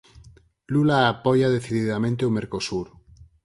Lula apoia decididamente o Mercosur.